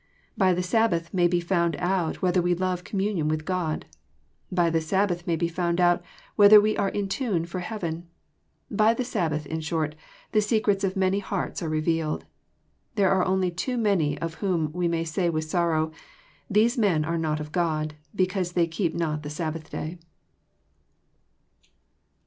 By the Sabbath may be found out whether we love communion with God. By the Sabbath may be found out whether we are in tune for heaven. By the Sabbath, in short, the secrets of many hearts are revealed. There are only too many of whom we may say with sorrow, " These men are not of God, because they keep not the Sabbath day.''